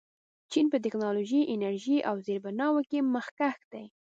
چین په ټیکنالوژۍ، انرژۍ او زیربناوو کې مخکښ دی.